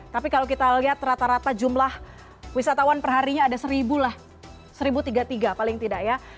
tapi kalau kita lihat rata rata jumlah wisatawan perharinya ada seribu lah seribu tiga puluh tiga paling tidak ya